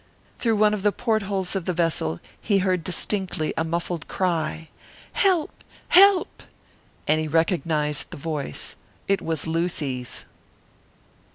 Through one of the portholes of the vessel he heard distinctly a muffled cry, "Help! help!" And he recognised the voice. It was Lucy's!